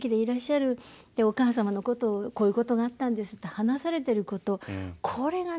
お母様のことをこういうことがあったんですって話されていることこれがね